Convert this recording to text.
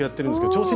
調子